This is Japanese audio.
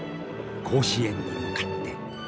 甲子園に向かって。